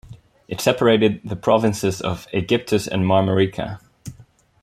It separated the provinces of Aegyptus and Marmarica.